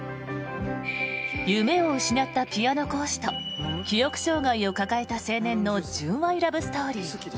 夢を失ったピアノ講師と記憶障害を抱えた青年の純愛ラブストーリー